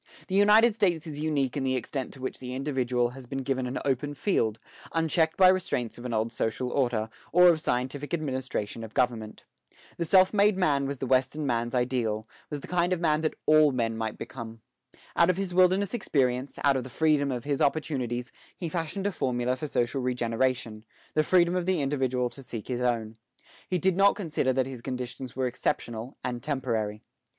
The United States is unique in the extent to which the individual has been given an open field, unchecked by restraints of an old social order, or of scientific administration of government. The self made man was the Western man's ideal, was the kind of man that all men might become. Out of his wilderness experience, out of the freedom of his opportunities, he fashioned a formula for social regeneration, the freedom of the individual to seek his own. He did not consider that his conditions were exceptional and temporary.